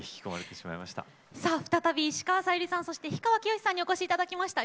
さあ再び石川さゆりさんそして氷川きよしさんにお越しいただきました。